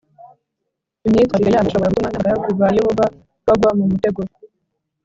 Imyitwarire yabo ishobora gutuma n abagaragu ba yehova bagwa mu mutego